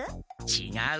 ちがう。